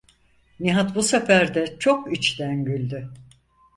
Nihat bu sefer de çok içten güldü: